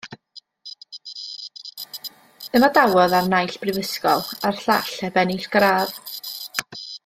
Ymadawodd a'r naill brifysgol a'r llall heb ennill gradd.